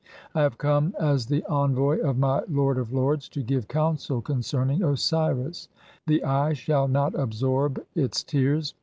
I have come as the envoy of my Lord (28) of lords "to give counsel [concerning] Osiris ; the eye shall not absorb T "its tears.